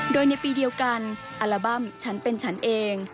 โดยในปีเดียวกันอัลบั้มฉันเป็นฉันเอง